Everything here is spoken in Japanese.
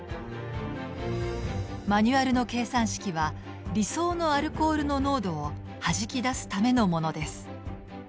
マニュアルの計算式は理想のアルコールの濃度をはじき出すためのものです。